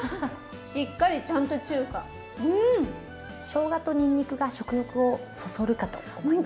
しょうがとにんにくが食欲をそそるかと思います。